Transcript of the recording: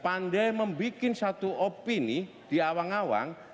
pandai membuat satu opini di awang awang